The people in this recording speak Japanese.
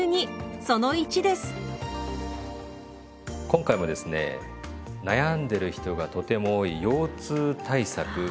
今回もですね悩んでる人がとても多い腰痛対策